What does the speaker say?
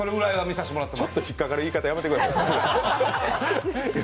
ちょっと引っ掛かる言い方やめてください。